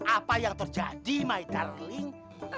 apa yang terjadi my carlink